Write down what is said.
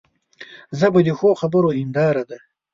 ژبه د ښو خبرو هنداره ده